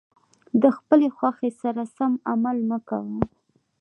د خپلې خوښې سره سم عمل مه کوه.